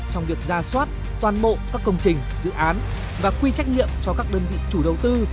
trong việc ra soát toàn bộ các công trình dự án và quy trách nhiệm cho các đơn vị chủ đầu tư